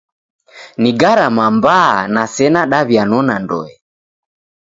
Ni gharama mbaa na sena daw'ianona ndoe.